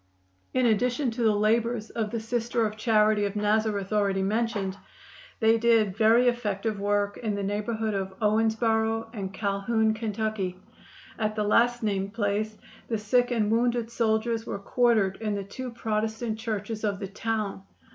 In addition to the labors of the Sisters of Charity of Nazareth already mentioned, they did very effective work in the neighborhood of Owensboro and Calhoun, Ky. At the last named place the sick and wounded soldiers were quartered in the two Protestant churches of the town.